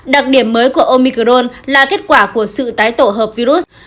đặc điểm mới của omicrone là kết quả của sự tái tổ hợp virus